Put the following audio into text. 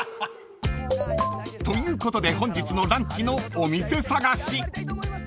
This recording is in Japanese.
［ということで本日のランチのお店探し！］